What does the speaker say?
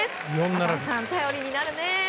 浅尾さん、頼りになるね。